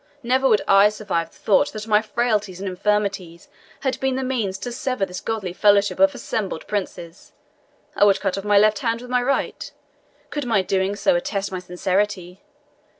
never would I survive the thought that my frailties and infirmities had been the means to sever this goodly fellowship of assembled princes. I would cut off my left hand with my right, could my doing so attest my sincerity.